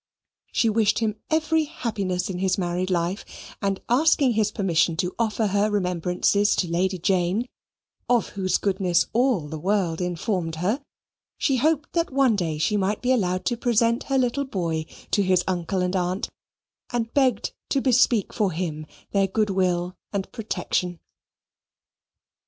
She wished him every happiness in his married life, and, asking his permission to offer her remembrances to Lady Jane (of whose goodness all the world informed her), she hoped that one day she might be allowed to present her little boy to his uncle and aunt, and begged to bespeak for him their good will and protection.